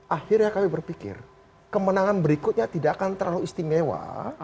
akhirnya kami berpikir kemenangan berikutnya tidak akan terlalu istimewa